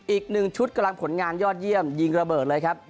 อีกหนึ่งชุดกำลังผลงานยอดเยี่ยมยิงระเบิดเลยครับ